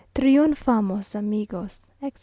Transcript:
Triunfamos, amigos, etc.